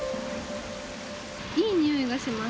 いいにおいがします。